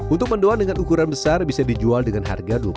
untuk mendoan dengan ukuran besar bisa dijual dengan harga dua puluh lima rupiah